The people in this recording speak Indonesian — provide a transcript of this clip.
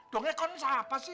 doangnya kan siapa sih